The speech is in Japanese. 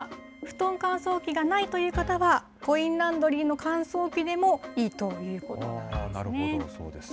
また、布団乾燥機がないという方は、コインランドリーの乾燥機でもいいということなんですね。